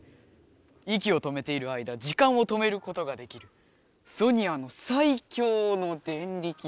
いきを止めている間時間を止めることができるソニアの最強のデンリキ。